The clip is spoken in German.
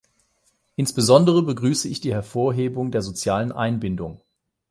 Insbesondere begrüße ich die Hervorhebung der sozialen Einbindung.